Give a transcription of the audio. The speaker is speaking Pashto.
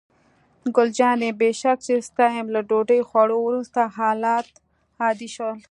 ګل جانې: بې شک چې ستا یم، له ډوډۍ خوړو وروسته حالات عادي شول.